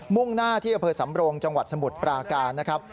่งหน้าที่อำเภอสำรงจังหวัดสมุทรปราการนะครับ